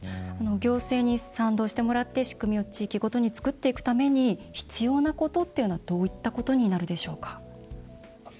行政に賛同してもらって仕組みを地域ごとに作っていくために必要なことはどういったことになりますか。